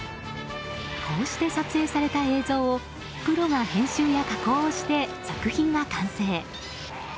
こうして撮影された映像をプロが編集や加工をして作品が完成。